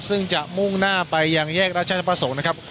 ซึ่งจะมุ่งหน้าไปยังแยกราชประสงค์นะครับ